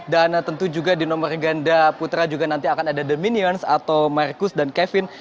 dan tentu juga di nomor ganda putra juga nanti akan ada the minions atau marcus dan kevin